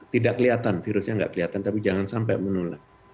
tidak kelihatan virusnya tidak kelihatan tapi jangan sampai menular